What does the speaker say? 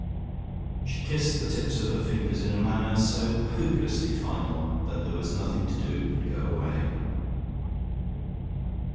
She kissed the tips of her fingers in a manner so hopelessly final that there was nothing to do but go away.